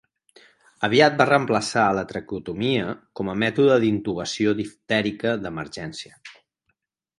Aviat va reemplaçar a la traqueotomia com a mètode d'intubació diftèrica d'emergència.